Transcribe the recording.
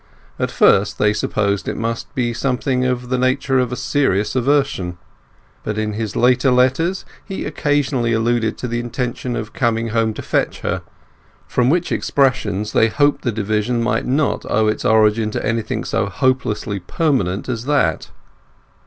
At first they had supposed it must be something of the nature of a serious aversion. But in his later letters he occasionally alluded to the intention of coming home to fetch her; from which expressions they hoped the division might not owe its origin to anything so hopelessly permanent as that.